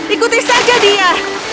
ikuti saja dia